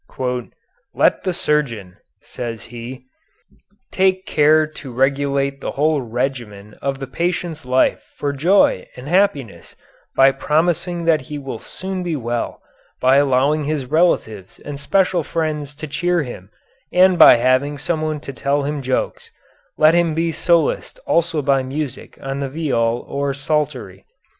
"Let the surgeon," says he, "take care to regulate the whole regimen of the patient's life for joy and happiness by promising that he will soon be well, by allowing his relatives and special friends to cheer him and by having someone to tell him jokes, and let him be solaced also by music on the viol or psaltery.